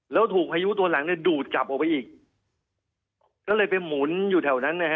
แล้วถูกพายุตัวหลังเนี่ยดูดกลับออกไปอีกก็เลยไปหมุนอยู่แถวนั้นนะฮะ